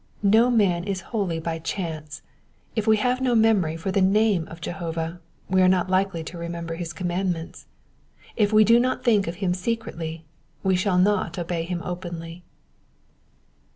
No man is holy by chance. If we have no memory for the name of Jehovah we are not likely to remember his commandments : if we do not think of him secretly we shall not obey him openly.